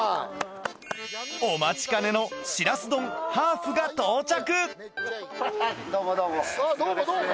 ・お待ちかねのしらす丼ハーフが到着！